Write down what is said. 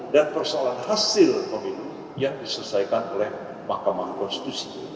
persoalan hasil pemilu yang diselesaikan oleh mahkamah konstitusi